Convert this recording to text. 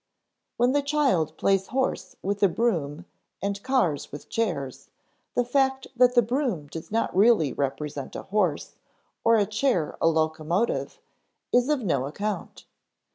When the child plays horse with a broom and cars with chairs, the fact that the broom does not really represent a horse, or a chair a locomotive, is of no account.